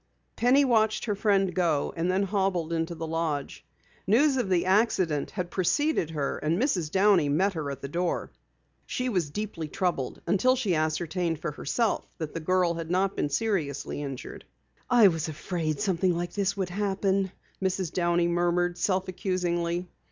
Penny watched her friend go and then hobbled into the lodge. News of the accident had preceded her, and Mrs. Downey met her at the door. She was deeply troubled until she ascertained for herself that the girl had not been seriously injured. "I was afraid something like this would happen," Mrs. Downey murmured self accusingly.